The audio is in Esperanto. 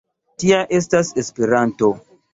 Tia estas Esperanto.